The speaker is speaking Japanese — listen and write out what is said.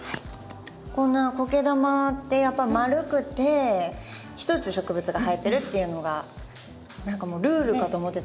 こんなコケ玉ってやっぱり丸くてひとつ植物が入ってるっていうのが何かもうルールかと思ってたので。